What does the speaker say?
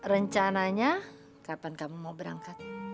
rencananya kapan kamu mau berangkat